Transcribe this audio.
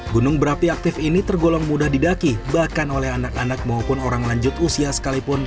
gunung berapi aktif ini tergolong mudah didaki bahkan oleh anak anak maupun orang lanjut usia sekalipun